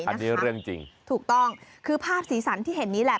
อันนี้เรื่องจริงถูกต้องคือภาพสีสันที่เห็นนี้แหละ